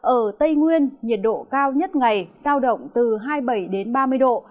ở tây nguyên nhiệt độ cao nhất ngày sao động từ hai mươi bảy ba mươi độ